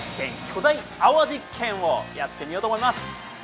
巨大泡実験をやってみようと思います。